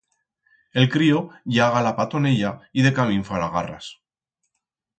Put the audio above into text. El crío ya galapatoneya y decamín fará garras.